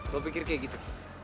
lo pikir kayak gitu